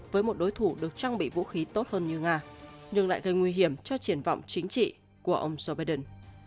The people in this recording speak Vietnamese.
với một đối thủ được trang bị vũ khí tốt hơn như nga nhưng lại gây nguy hiểm cho triển vọng chính trị của ông joe biden